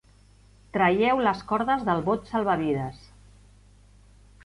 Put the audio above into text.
Traieu les cordes del bot salvavides.